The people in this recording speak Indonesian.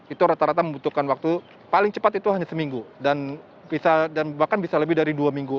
itu rata rata membutuhkan waktu paling cepat itu hanya seminggu dan bahkan bisa lebih dari dua minggu